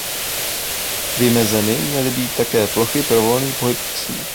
Vymezeny měly být také plochy pro volný pohyb psů.